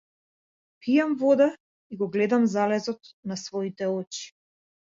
Пијам вода, и го гледам залезот на своите очи.